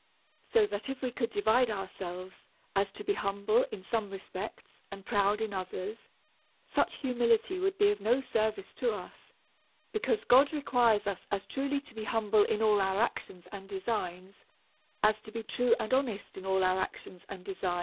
So that, if we could so divide ourselves as to be humble in some respects, and proud in others, such humility would be of no service to us, because God re quires us as truly to be humble in all our actions and designs, as to be true and honest in them.